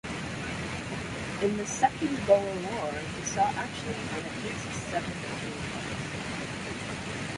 In the Second Boer War he saw action on at least seven occasions.